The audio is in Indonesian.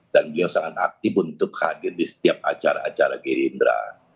dan beliau sangat aktif untuk hadir di setiap acara acara gerindra